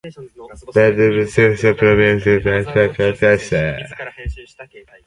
But a parallel algorithm can solve the problem much faster.